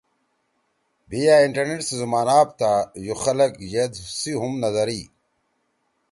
بھی یأ انٹرنیٹ سی زُومان آپ تا یو خلگ ہید سی ہم نہ دھرئی۔